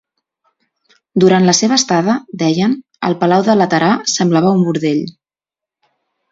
Durant la seva estada, deien, el palau del Laterà semblava un bordell.